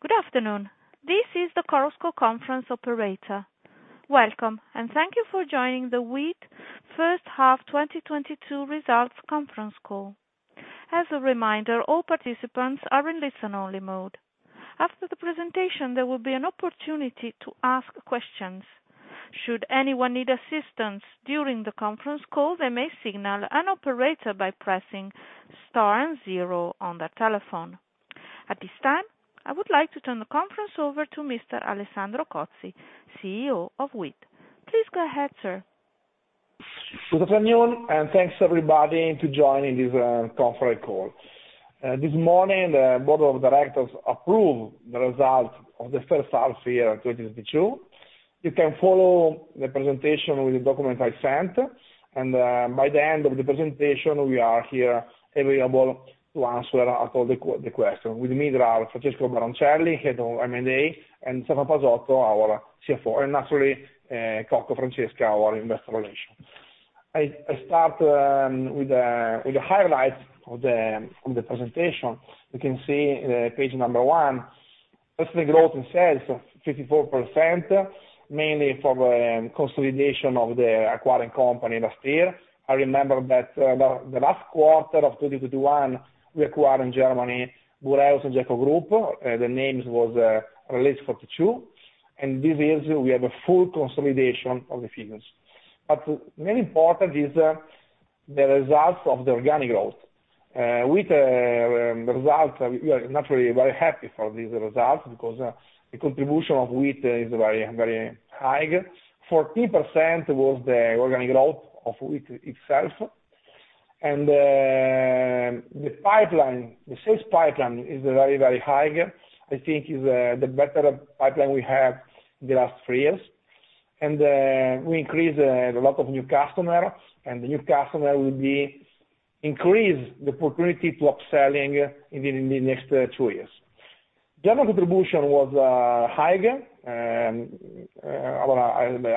Good afternoon. This is the Chorus Call conference operator. Welcome, and thank you for joining the WIIT first half 2022 results conference call. As a reminder, all participants are in listen only mode. After the presentation, there will be an opportunity to ask questions. Should anyone need assistance during the conference call, they may signal an operator by pressing star and zero on their telephone. At this time, I would like to turn the conference over to Mr. Alessandro Cozzi, CEO of WIIT. Please go ahead, sir. Good afternoon, and thanks everybody to join in this conference call. This morning the board of directors approved the results of the first half year of 2022. You can follow the presentation with the document I sent, and by the end of the presentation, we are here available to answer all the questions. With me there are Francesco Baroncelli, Head of M&A, and Stefano Pasotto, our CFO, and naturally, Francesca Cocco, our Investor Relations. I start with the highlights from the presentation. You can see page number 1. Revenue growth in sales of 54%, mainly from consolidation of the acquired company last year. I remember that the last quarter of 2021, we acquired in Germany, Boreus and Gecko Group, the name was Release 42, and this is we have a full consolidation of the figures. Very important is the results of the organic growth. With the results, we are naturally very happy for these results because the contribution of WIIT is very, very high. 40% was the organic growth of WIIT itself. The pipeline, the sales pipeline is very, very high. I think it's the better pipeline we have in the last 3 years. We increase a lot of new customer, and the new customer will be increase the opportunity to upselling in the next 2 years. General contribution was high.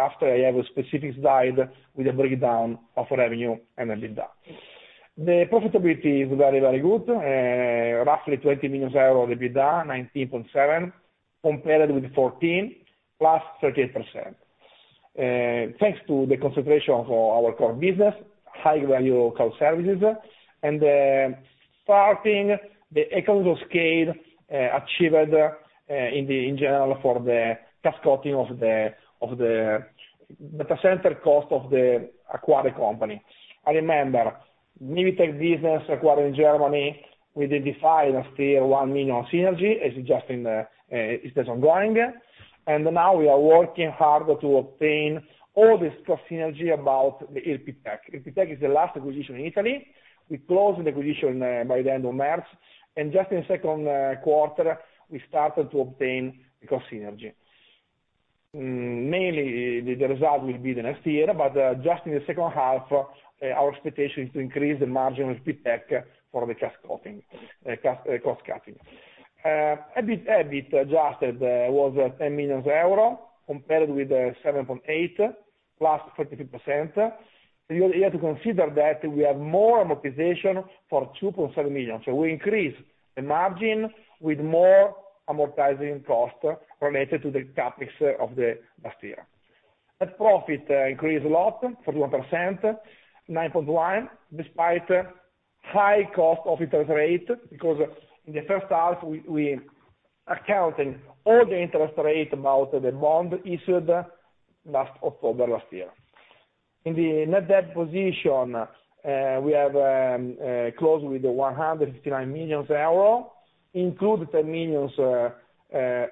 After I have a specific slide with a breakdown of revenue and EBITDA. The profitability is very, very good. Roughly 20 million euros EBITDA, 19.7 million, compared with 14 million, +13%. Thanks to the concentration of our core business, high value core services, and starting the economies of scale achieved in general for the cost cutting of the data center cost of the acquired company. I remember, Mivitec business acquired in Germany with the defined last year 1 million synergy is just in the, it is ongoing. Now we are working hard to obtain all this cost synergy about the ERPTech. ERPTech is the last acquisition in Italy. We closed the acquisition by the end of March, and just in second quarter, we started to obtain the cost synergy. Mainly the result will be the next year, but just in the second half, our expectation is to increase the margin of ERPTech for the cost cutting. EBITDA adjusted was 10 million euro compared with 7.8 million, +43%. You have to consider that we have more amortization for 2.7 million. So we increase the margin with more amortizing cost related to the CapEx of the last year. Net profit increased a lot, 41%, 9.1 million, despite high cost of interest rate, because in the first half we accounted for all the interest rate about the bond issued last October last year. In the net debt position, we have closed with 159 million euro, including the 10 million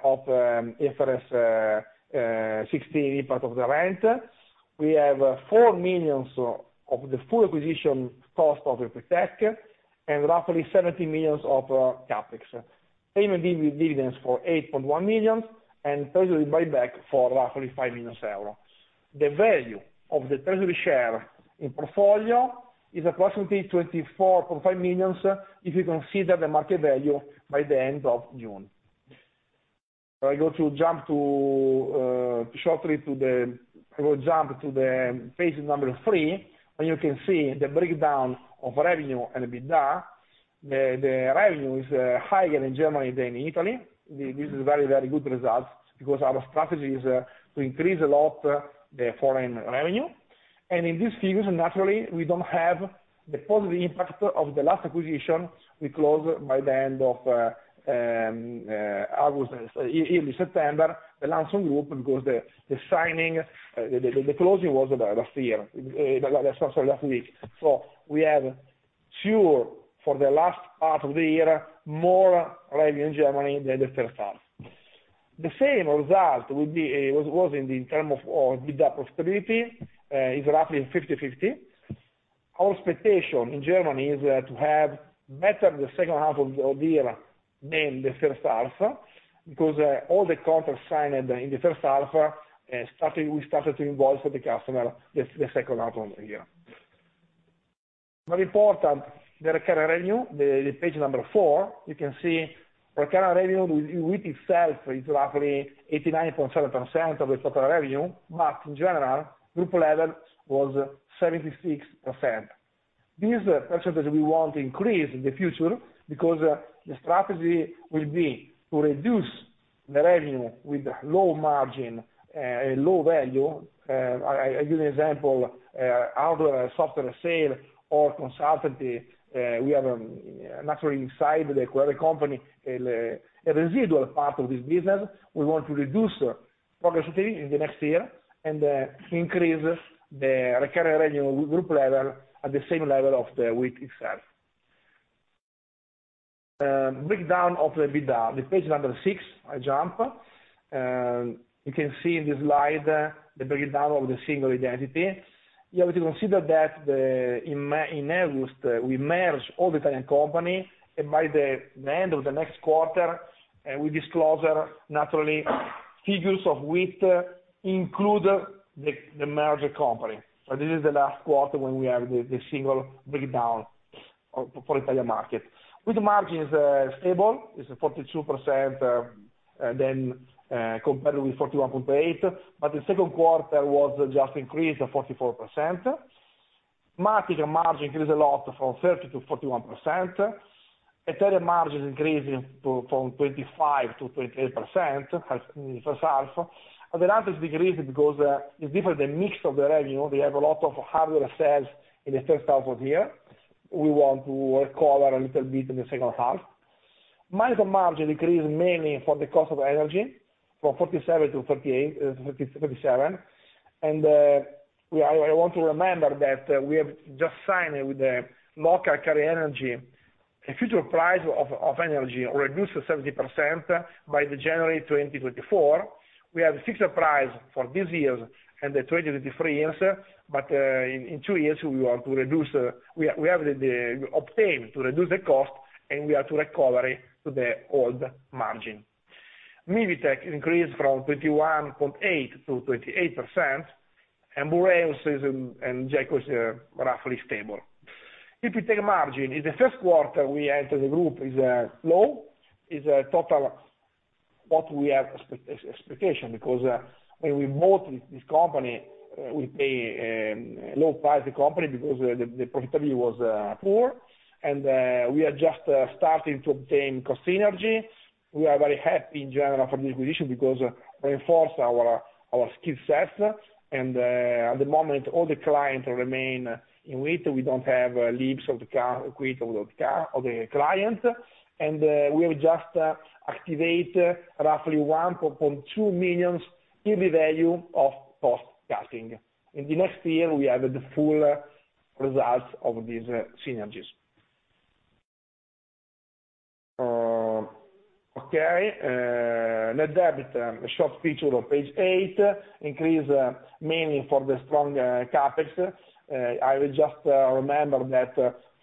of interest, IFRS 16 part of the rent. We have 4 million of the full acquisition cost of LANSOL and roughly 70 million of CapEx. Dividend payments for 8.1 million and treasury buy back for roughly 5 million euro. The value of the treasury share in portfolio is approximately 24.5 million if you consider the market value by the end of June. I will jump to page number 3, and you can see the breakdown of revenue and EBITDA. The revenue is higher in Germany than in Italy. This is very good results because our strategy is to increase a lot the foreign revenue. In these figures, naturally, we don't have the positive impact of the last acquisition. We closed by the end of August, early September, the LANSOL Group, because the signing, the closing was last week. We're sure for the last half of the year, more revenue in Germany than the first half. The same result was in terms of EBITDA profitability, is roughly 50/50. Our expectation in Germany is to have better in the second half of the year than the first half, because all the contracts signed in the first half, we started to invoice for the customers the second half of the year. Very important, the recurring revenue, the page number 4. You can see recurring revenue itself is roughly 89.7% of the total revenue, but in general, group level was 76%. This percentage we want to increase in the future because the strategy will be to reduce the revenue with low margin, low value. I give you an example, out of a software sale or consultancy, we have naturally inside the current company a residual part of this business. We want to reduce progressively in the next year and increase the recurring revenue group level at the same level of the WIIT itself. Breakdown of the EBITDA on page 6, I jump. You can see in the slide the breakdown of the single entity. You have to consider that the. In August, we merged all the Italian company, and by the end of the next quarter, we disclose naturally figures which include the merger company. This is the last quarter when we have the single breakdown for Italian market. With margins stable, it's 42%, compared with 41.8%. The second quarter just increased to 44%. Matika margin increased a lot from 30% to 41%. Italian margin increased from 25% to 28% in first half. Adelante decreased because it's different the mix of the revenue. We have a lot of hardware sales in the first half of the year. We want to recover a little bit in the second half. myLoc margin decreased mainly for the cost of energy from 48% to 47%. I want to remember that we have just signed with the local Italian energy a future price of energy reduced 70% by January 2024. We have fixed the price for this year and the next 2 to 3 years. In 2 years we want to reduce the cost and we are to recover to the old margin. Mivitec increased from 21.8% to 28%. Boreus and Gecko is roughly stable. EBITDA margin in the first quarter we entered the group is low, is below what we expected because when we bought this company we paid low price for the company because the profitability was poor. We are just starting to obtain cost synergy. We are very happy in general for this acquisition because it reinforce our skill sets. At the moment all the clients remain in wait. We don't have quits of the clients. We have just activate roughly 1.2 million in the value of cost cutting. In the next year, we have the full results of these synergies. Okay. Net debt, a short figure on page 8, increase mainly for the strong CapEx. I will just remind that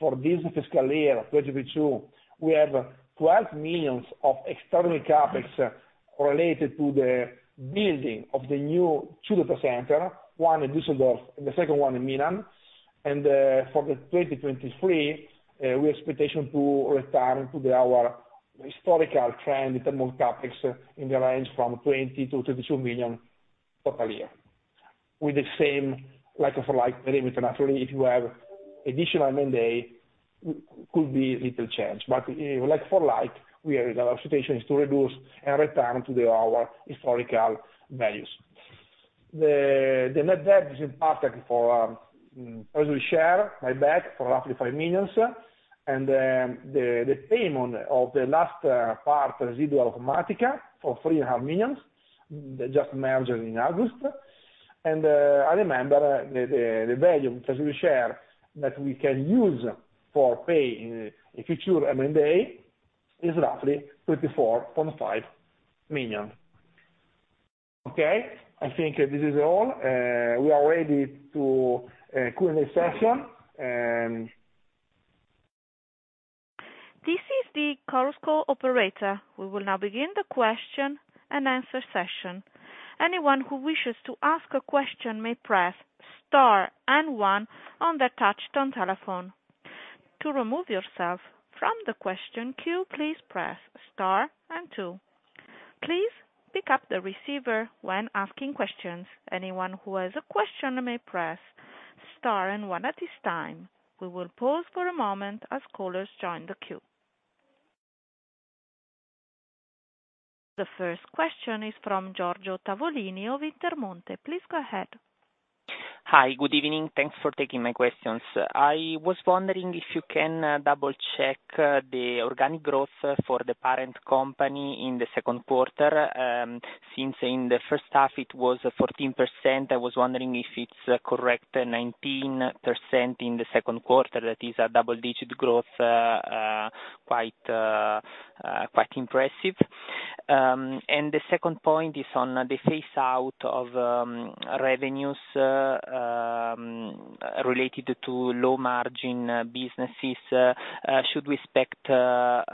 for this fiscal year, 2022, we have 12 million of extraordinary CapEx related to the building of the new two data centers, one in Düsseldorf and the second one in Milan. For 2023, we expectation to return to our historical trend in terms of CapEx in the range of 20 million-22 million total year. With the same like for like revenue, naturally, if you have additional M&A, could be little change. You know, like for like, our expectation is to reduce and return to our historical values. The net debt is impacted for treasury share, my bad, for roughly 5 million. The payment of the last part residual of Matika for 3.5 million, that just merged in August. I remember the value of treasury share that we can use for paying a future M&A is roughly 34.5 million. Okay. I think this is all. We are ready to conclude this session. This is the Chorus Call operator. We will now begin the question-and-answer session. Anyone who wishes to ask a question may press star and one on their touchtone telephone. To remove yourself from the question queue, please press star and two. Please pick up the receiver when asking questions. Anyone who has a question may press star and one at this time. We will pause for a moment as callers join the queue. The first question is from Giorgio Tavolini of Intermonte. Please go ahead. Hi. Good evening. Thanks for taking my questions. I was wondering if you can double-check the organic growth for the parent company in the second quarter. Since in the first half it was 14%, I was wondering if it's correct 19% in the second quarter. That is a double-digit growth quite impressive. The second point is on the phase out of revenues related to low margin businesses. Should we expect 5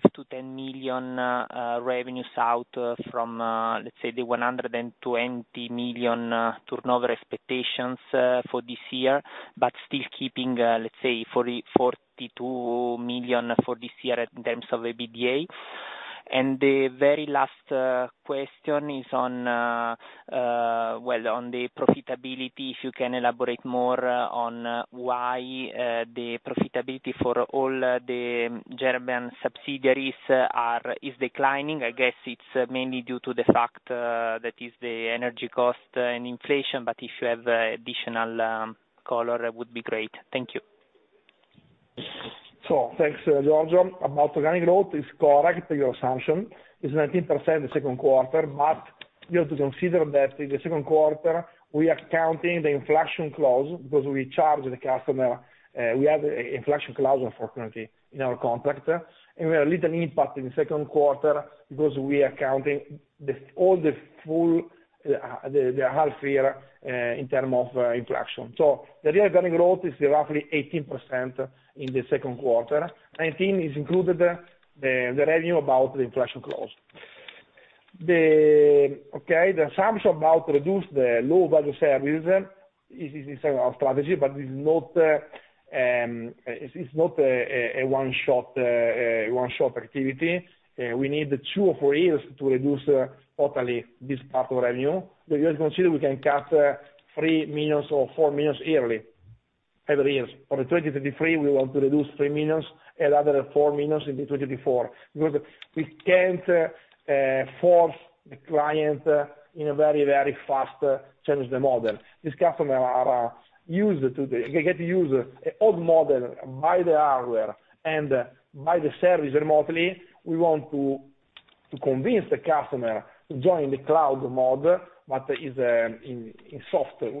million- 10 million revenues out from let's say the 120 million turnover expectations for this year, but still keeping let's say 42 million for this year in terms of EBITDA? The very last question is on the profitability, if you can elaborate more on why the profitability for all the German subsidiaries is declining. I guess it's mainly due to the fact that is the energy cost and inflation, but if you have additional color, that would be great. Thank you. Thanks, Giorgio. About organic growth, it's correct, your assumption. It's 19% in the second quarter, but you have to consider that in the second quarter we are counting the inflation clause because we charge the customer, we have inflation clause unfortunately in our contract, and we are a little impact in the second quarter because we are counting the full half year in terms of inflation. The real organic growth is roughly 18% in the second quarter. 19% includes the revenue about the inflation clause. The assumption about reduce the low value services is our strategy, but it is not a one-shot activity. We need 2 or 3 years to reduce totally this part of revenue. You have to consider we can cut 3 million or 4 million yearly, every years. For the 2023, we want to reduce 3 million and another 4 million in 2024 because we can't force the client in a very, very fast change the model. These customers are used to the old model, by the hardware and by the service remotely. We want to convince the customer to join the cloud model, but is in software.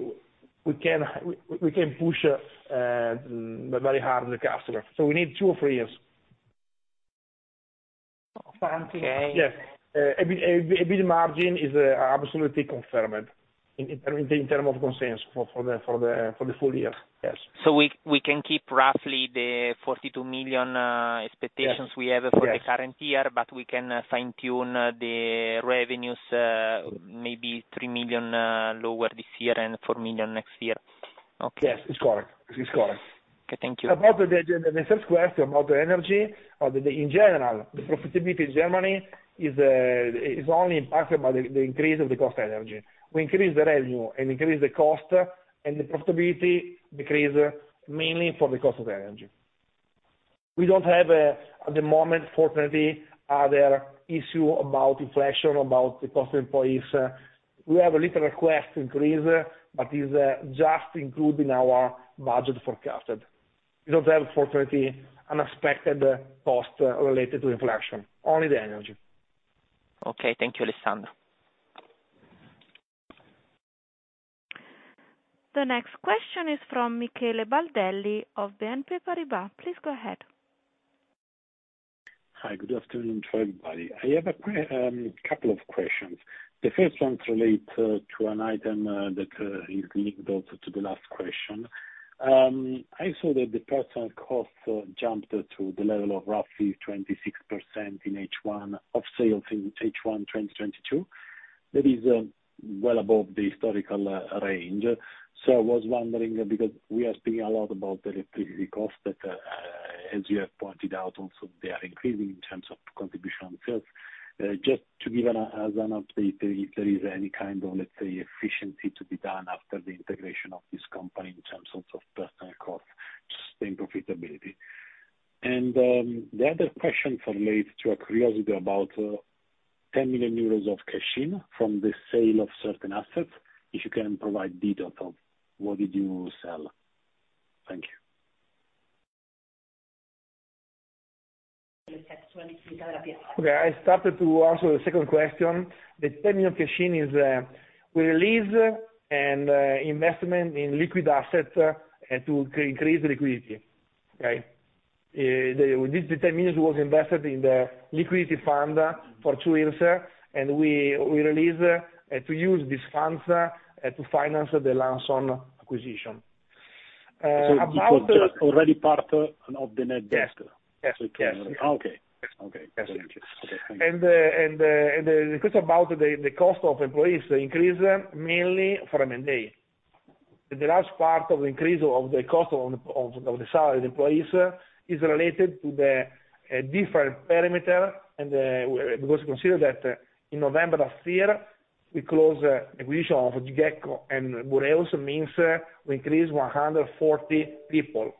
We can push very hard the customer. We need 2 or 3 years. Okay. Yes. EBITDA margin is absolutely confirmed in terms of consensus for the full year. Yes. We can keep roughly the 42 million expectations we have for the current year. Yes. We can fine-tune the revenues, maybe 3 million lower this year and 4 million next year. Okay. Yes. It's correct. Okay, thank you. About the first question about the energy. In general, the profitability in Germany is only impacted by the increase of the cost of energy. We increase the revenue and increase the cost, and the profitability decrease mainly for the cost of energy. We don't have, at the moment, fortunately, other issue about inflation, about the cost of employees. We have a little requested increase, but is just included in our forecasted budget. We don't have, fortunately, unexpected costs related to inflation, only the energy. Okay. Thank you, Alessandro. The next question is from Michele Baldelli of BNP Paribas. Please go ahead. Hi, good afternoon to everybody. I have a couple of questions. The first one to an item that is linked also to the last question. I saw that the personnel costs jumped to the level of roughly 26% in H1 of sales in H1 2022. That is well above the historical range. I was wondering, because we are speaking a lot about the electricity cost that as you have pointed out, also they are increasing in terms of contribution on sales. Just to give an as an update, if there is any kind of, let's say, efficiency to be done after the integration of this company in terms of personal costs to sustain profitability. The other question relates to a curiosity about 10 million euros of cash-in from the sale of certain assets, if you can provide detail of what did you sell? Thank you. Okay, I started to answer the second question. The EUR 10 million cash-in is the release of an investment in liquid assets to increase liquidity, right? This EUR 10 million was invested in the liquidity fund for 2 years, and we released to use these funds to finance the LANSOL acquisition. It was just already part of the net debt? Yes. Yes. Yes. Okay. Okay. Yes. Thank you. Okay, thank you. The request about the cost of employees increase mainly for M&A. The last part of increase of the cost of the salary of the employees is related to the different perimeter because consider that in November last year, we closed the acquisition of Gecko and Boreus, we increased 140 people.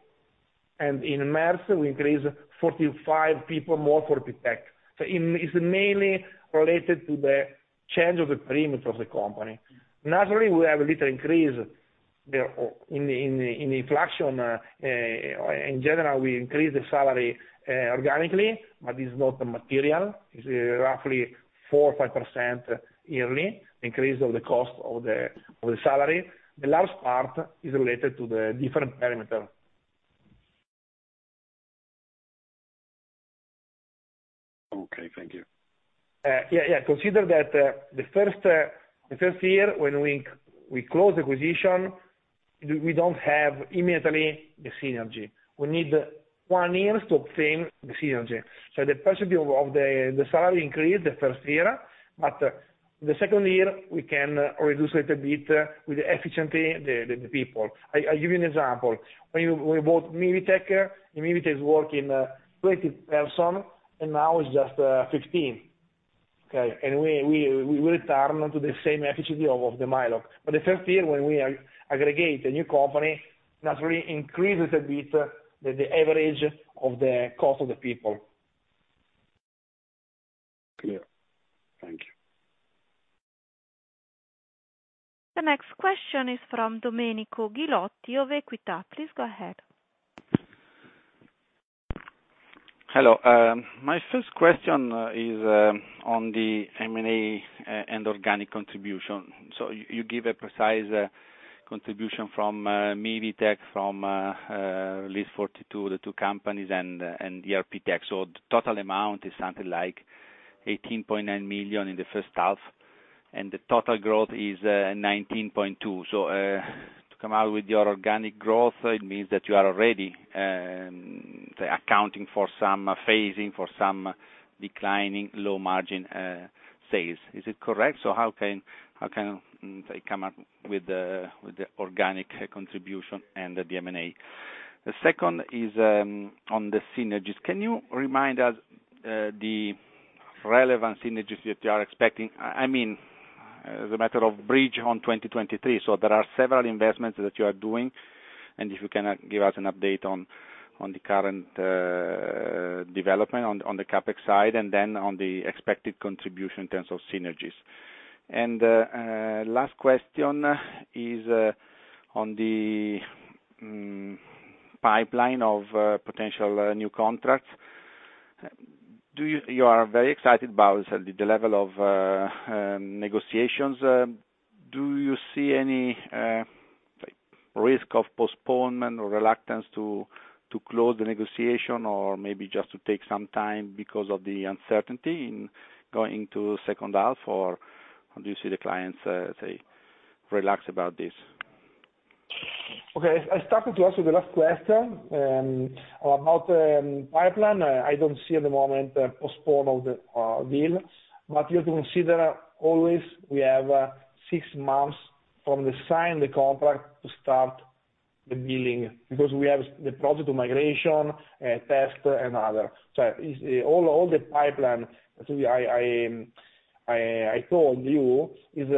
In March, we increased 45 people more for ERPTech. It's mainly related to the change of the perimeter of the company. Naturally, we have a little increase there in inflation. In general, we increase the salary organically, but it's not material. It's roughly 4%-5% yearly increase of the cost of the salary. The last part is related to the different perimeter. Okay, thank you. Consider that the first year when we close acquisition, we don't have immediately the synergy. We need one year to obtain the synergy. The percentage of the salary increase the first year, but the second year, we can reduce a little bit with efficiency the people. I give you an example. When we bought Mivitec is working 20 person, and now it's just 15. Okay, we return to the same efficiency of the myLoc. The first year when we aggregate a new company, naturally increases a bit the average of the cost of the people. Clear. Thank you. The next question is from Domenico Ghilotti of Equita. Please go ahead. Hello. My first question is on the M&A and organic contribution. You give a precise contribution from Mivitec, from Release 42, the two companies, and ERPTech. The total amount is something like 18.9 million in the first half, and the total growth is 19.2%. To come out with your organic growth, it means that you are already, say, accounting for some phasing, for some declining low margin sales. Is it correct? How can they come up with the organic contribution and the M&A? The second is on the synergies. Can you remind us the relevant synergies that you are expecting? I mean, as a matter of bridge on 2023. There are several investments that you are doing, and if you can give us an update on the current development on the CapEx side, and then on the expected contribution in terms of synergies. Last question is on the pipeline of potential new contracts. You are very excited about the level of negotiations. Do you see any risk of postponement or reluctance to close the negotiation or maybe just to take some time because of the uncertainty in going to second half? Or how do you see the clients saying relaxed about this? Okay. I'll start with answering the last question about pipeline. I don't see at the moment a postponement of the deal. You have to consider always we have 6 months from the signing the contract to start the billing, because we have the project of migration, test and other. All the pipeline, so I told you, is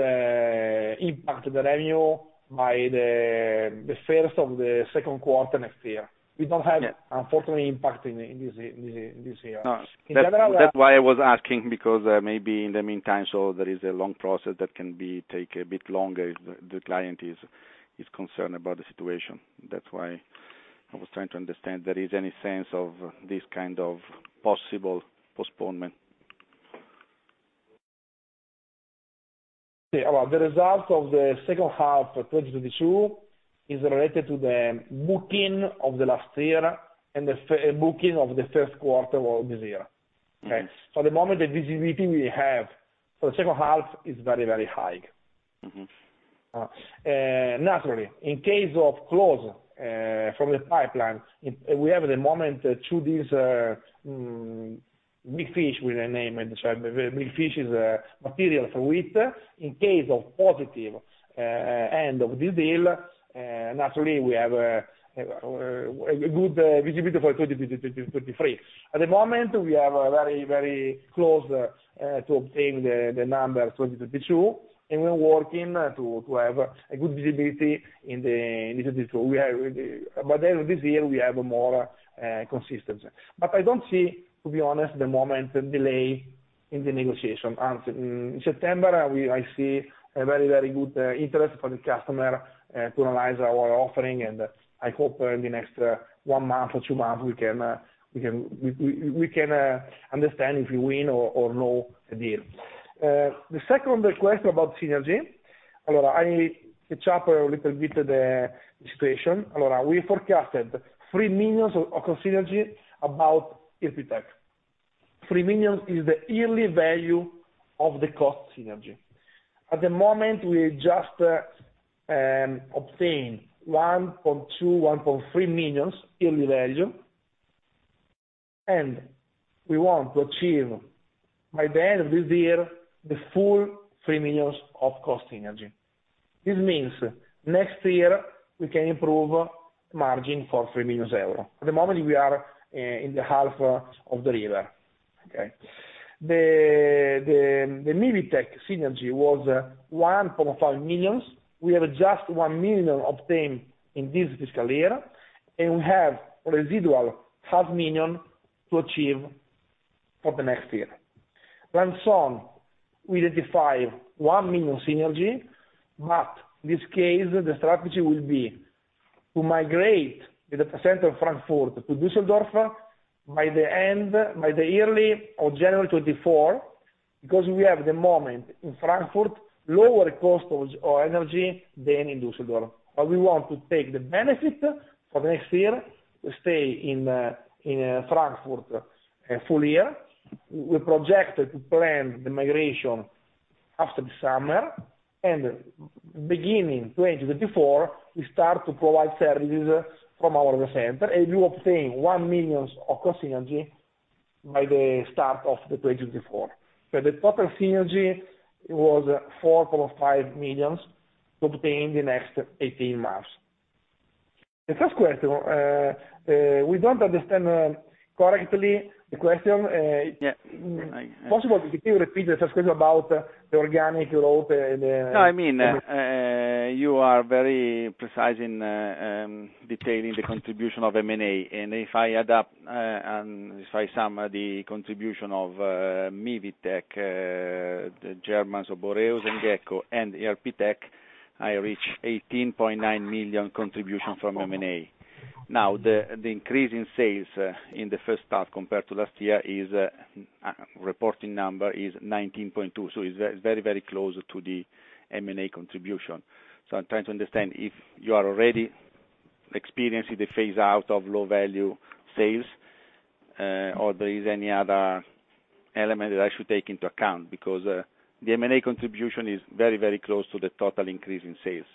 impact the revenue by the first or the second quarter next year. We don't have. Yeah. Unfortunately, impact in this year. No. In general, we are. That's why I was asking, because maybe in the meantime there is a long process that can take a bit longer if the client is concerned about the situation. That's why I was trying to understand if there is any sense of this kind of possible postponement. Well, the results of the second half of 2022 are related to the booking of the last year and the booking of the first quarter of this year. Mm-hmm. Okay? At the moment, the visibility we have for the second half is very, very high. Mm-hmm. Naturally, in case of close from the pipeline, we have at the moment two big fish with a name, and so the big fish is material for it. In case of positive end of the deal, naturally, we have a good visibility for 2023. At the moment we have a very close to obtain the number 2022, and we're working to have a good visibility in the 2022. We are with the. This year we have more consistency. I don't see, to be honest, at the moment a delay in the negotiation. September, I see a very good interest for the customer to analyze our offering. I hope in the next 1 month or 2 months we can understand if we win or no the deal. The second request about synergy. Allora, I need to chop a little bit the situation. Allora, we forecasted 3 million of synergy about ERPTech. 3 million is the yearly value of the cost synergy. At the moment we just obtain 1.2 million-1.3 million yearly value, and we want to achieve by the end of this year the full 3 million of cost synergy. This means next year we can improve margin for 3 million euros. At the moment we are in the half of the river, okay? The Mivitec synergy was 1.5 million EUR. We have just 1 million obtained in this fiscal year, and we have residual 500,000 million to achieve for the next year. In sum, we identify 1 million synergy, but in this case the strategy will be to migrate the data center Frankfurt to Düsseldorf by the end of January 2024, because we have at the moment in Frankfurt lower cost of energy than in Düsseldorf. But we want to take the benefit for the next year to stay in Frankfurt a full year. We project to plan the migration after the summer. Beginning 2024, we start to provide services from our data center, and we will obtain 1 million of cost synergy by the start of 2024. The total synergy was 4.5 million to obtain the next 18 months. The first question, we don't understand correctly the question. Yeah. Possibly, if you repeat the first question about the organic growth and the. No, I mean, you are very precise in detailing the contribution of M&A. If I sum the contribution of Mivitec, the Germans of Boreus and Gecko and ERPTech, I reach 18.9 million contribution from M&A. Now, the increase in sales in the first half compared to last year is the reporting number of 19.2 million, so it's very, very close to the M&A contribution. I'm trying to understand if you are already experiencing the phase out of low value sales, or there is any other element that I should take into account. Because the M&A contribution is very, very close to the total increase in sales.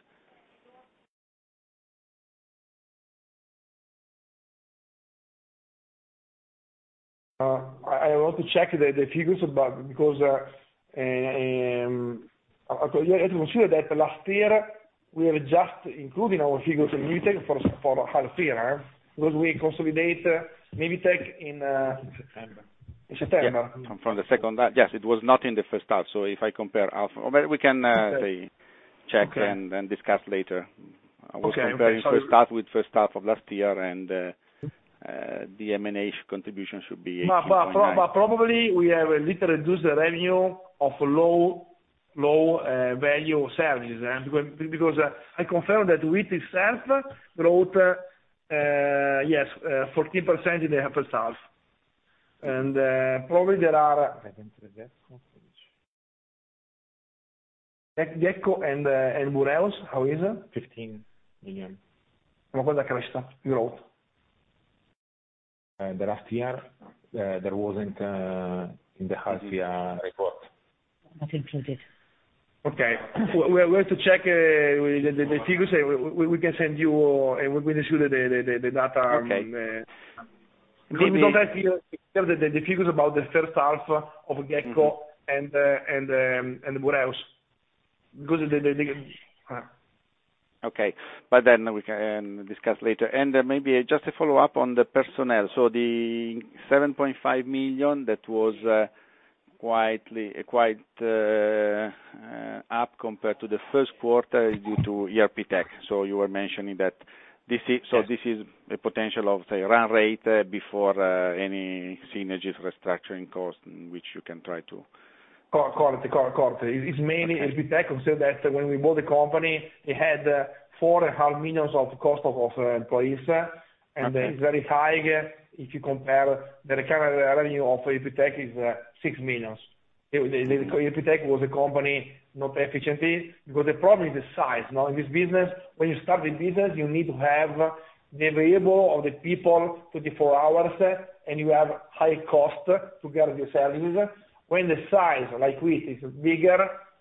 I want to check the figures, but because you have to consider that last year we have just including our figures in. We consolidate Mivitec in September. From the second half. Yes, it was not in the first half. If I compare half, we can check and discuss later. Okay. I was comparing first half with first half of last year and the M&A contribution should be EUR 18.9 million. Probably we have a little reduced the revenue of low value services. Because I confirm that with its own growth, yes, 14% in the first half. Probably there are. I didn't address that page. Gecko and Boreus, how is it? 15 million. Growth. The last year, there wasn't in the half-year report. Not included. Okay. We have to check the figures and we can send you and we will issue the data. Okay. We don't have here the figures about the first half of Gecko and Boreus. Because the. We can discuss later. Maybe just a follow-up on the personnel. The 7.5 million, that was quite up compared to the first quarter due to ERPTech. You were mentioning that this is. Yes. This is the potential of, say, run rate before any synergies, restructuring costs, which you can try to. Correct. It's mainly ERPTech. Consider that when we bought the company, it had 4.5 million of cost of employees. Okay. Very high, if you compare the recurring revenue of ERPTech is 6 million. ERPTech was a company not efficient because the problem is the size. Now, in this business, when you start the business, you need to have the availability of the people 24 hours, and you have high cost to guarantee your services. When the size, like we, is bigger,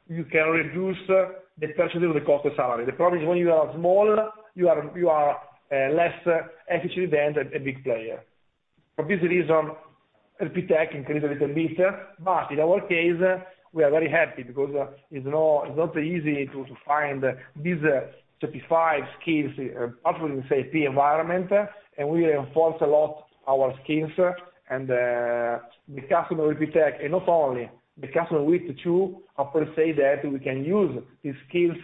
you can reduce the percentage of the cost of salary. The problem is when you are smaller, you are less efficient than a big player. For this reason, ERPTech increased a little bit. In our case, we are very happy because it's not easy to find these certified skills, particularly in SAP environment, and we enhanced a lot our skills. The customer ERPTech, and not only, the customer with the tools often say that we can use these skills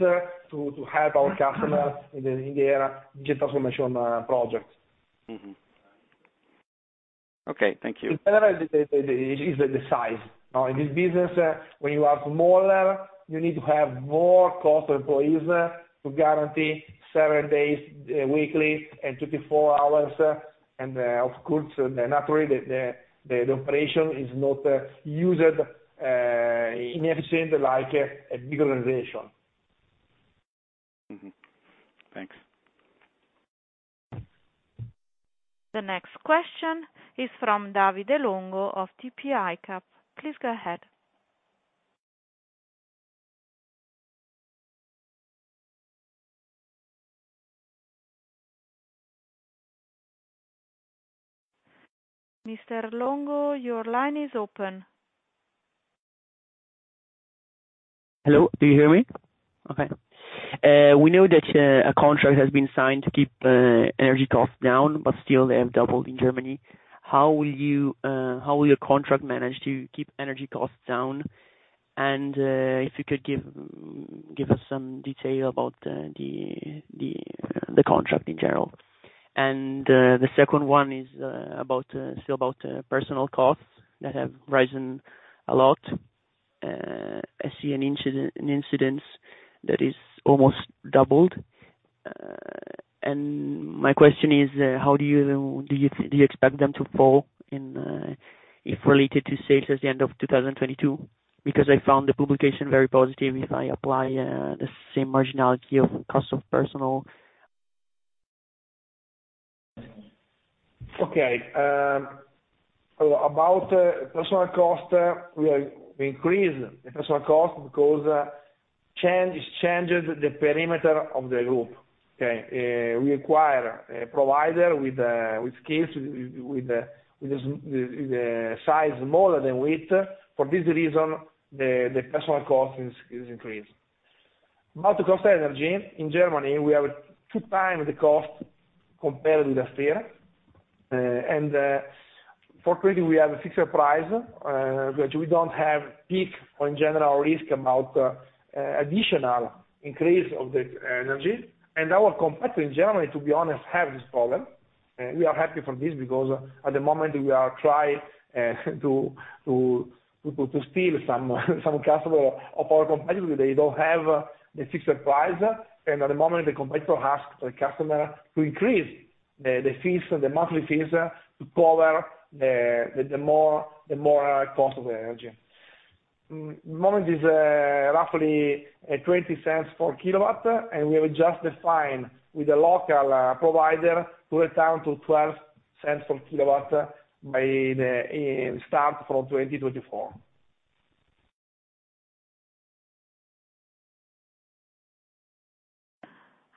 to help our customers in the digital transformation project. Mm-hmm. Okay, thank you. In general, it is the size. Now, in this business, when you are smaller, you need to have more costly employees to guarantee 7 days weekly and 24 hours. Of course, the operations are not used inefficiently like a bigger organization. Mm-hmm. Thanks. The next question is from Davide Longo of TP ICAP. Please go ahead. Mr. Longo, your line is open. Hello. Do you hear me? Okay. We know that a contract has been signed to keep energy costs down, but still they have doubled in Germany. How will your contract manage to keep energy costs down? If you could give us some detail about the contract in general. The second one is about personnel costs that have risen a lot. I see an incidence that is almost doubled, and my question is, how do you expect them to fall in relation to sales at the end of 2022? Because I found the publication very positive if I apply the same marginality of cost of personnel. Okay, about personnel cost, we increase the personnel cost because changes the perimeter of the group. Okay? We acquire a provider with skills with the size smaller than WIIT. For this reason, the personnel cost is increased. About the cost of energy, in Germany, we have 2x the cost compared with Austria. For Q80 we have a fixed price, which we don't have peak or in general risk about additional increase of the energy. Our competitor in Germany, to be honest, have this problem. We are happy for this because at the moment we are trying to steal some customer of our competitor. They don't have the fixed price, and at the moment the competitor asks the customer to increase the monthly fees to cover the higher cost of the energy. The moment is roughly at 0.20 per kWh, and we have just agreed with the local provider to return to 0.12 per kWh starting from 2024.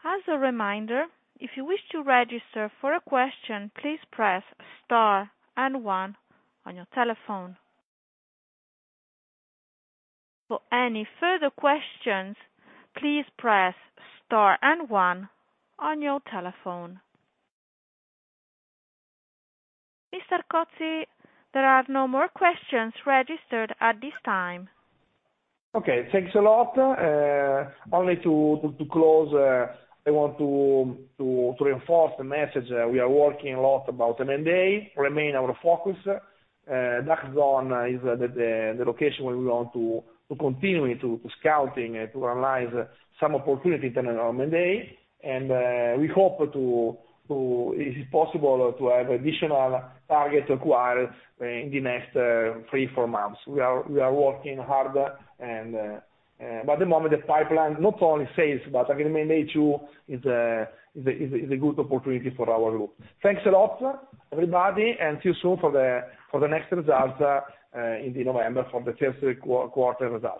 As a reminder, if you wish to register for a question, please press star and one on your telephone. For any further questions, please press star and one on your telephone. Mr. Cozzi, there are no more questions registered at this time. Okay, thanks a lot. Only to close, I want to reinforce the message that we are working a lot about M&A remain our focus. DACH region is the location where we want to continue to scouting and to analyze some opportunity in the M&A. We hope if it possible to have additional targets acquired in the next 3-4 months. We are working hard. At the moment the pipeline, not only SaaS, but again M&A too is a good opportunity for our group. Thanks a lot, everybody, and see you soon for the next results in November for the first quarter results.